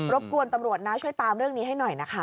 บกวนตำรวจนะช่วยตามเรื่องนี้ให้หน่อยนะคะ